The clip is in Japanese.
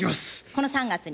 この３月に？